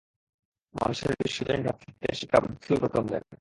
মানুষের বিশ্বজনীন ভ্রাতৃত্বের শিক্ষা বুদ্ধই প্রথম দেন।